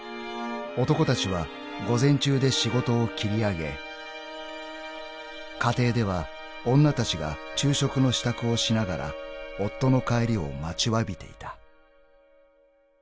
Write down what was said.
［男たちは午前中で仕事を切り上げ家庭では女たちが昼食の支度をしながら夫の帰りを待ちわびていた］